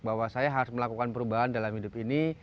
bahwa saya harus melakukan perubahan dalam hidup ini